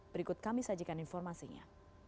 berikut kami sajikan informasinya